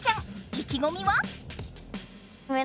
意気ごみは？